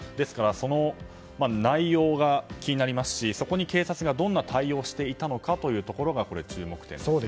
その内容が気になりますしそこに警察がどんな対応をしていたのかというところが注目点ですよね。